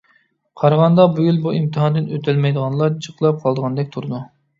قارىغاندا بۇ يىل بۇ ئىمتىھاندىن ئۆتەلمەيدىغانلار جىقلاپ قالىدىغاندەك تۇرىدۇ.